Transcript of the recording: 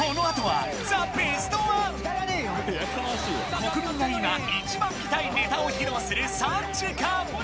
国民が今一番見たいネタを披露する３時間！